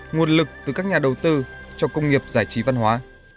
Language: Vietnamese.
nguồn lực từ các nhà đầu tư cho công nghiệp giải trí văn hóa